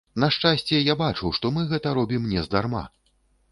На шчасце, я бачу, што мы гэта робім нездарма.